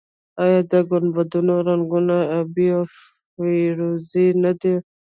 آیا د ګنبدونو رنګونه ابي او فیروزه یي نه دي؟